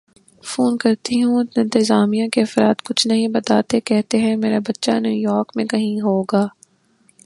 phone کرتی ہوں تو انتظامیہ کے افراد کچھ نہیں بتاتے کہتے ہیں میرا بچہ نیویارک میں کہیں ہوگا